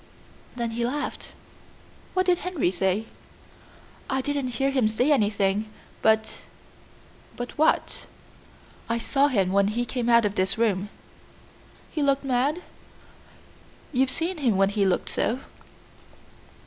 "Then he laughed." "What did Henry say?" "I didn't hear him say anything, but " "But what?" "I saw him when he came out of this room." "He looked mad?" "You've seen him when he looked so."